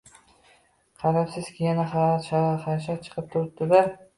Qarabsizki, yana xarxasha chiqib turibdi-da!